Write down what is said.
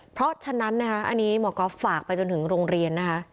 เพราะฉะนั้นอันนี้หมอก็ฝากไปจนถึงโรงเรียน